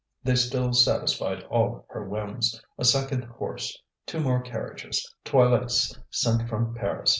They still satisfied all her whims a second horse, two more carriages, toilets sent from Paris.